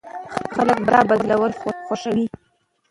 خلک دا بدلون خوښوي.